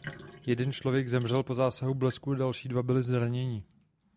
Jeden člověk zemřel po zásahu blesku a další dva byli zraněni.